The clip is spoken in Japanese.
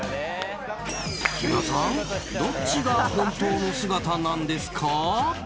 木村さんどっちが本当の姿なんですか？